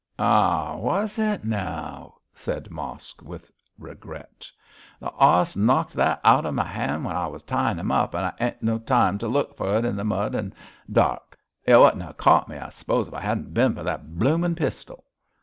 'Ah, wos it now?' said Mosk, with regret. 'Th' 'oss knocked that out of m' 'and when I wos tyin' him up, and I 'adn't no time to look for it in the mud an' dark. Y' wouldn't hev caught me, I s'pose, if it hadn't bin for that bloomin' pistol?'